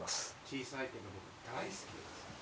小さいけど僕大好きです。